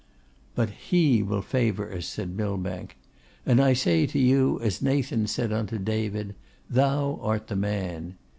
'But He will favour us,' said Millbank. 'And I say to you as Nathan said unto David, "Thou art the man!"